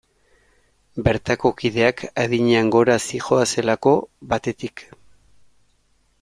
Bertako kideak adinean gora zihoazelako, batetik.